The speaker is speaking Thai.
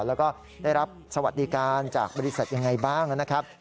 แล้วก็ได้รับสวัสดิการจากบริษัทยังไงบ้างนะครับ